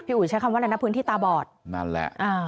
อุ๋ยใช้คำว่าอะไรนะพื้นที่ตาบอดนั่นแหละอ่า